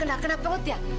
kena kena paut ya